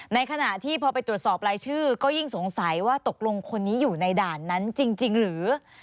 ในขณะที่พอไปตรวจสอบรายชื่อก็ยิ่งสงสัยว่าตกลงคนนี้อยู่ในด่านนั้นจริงหรือ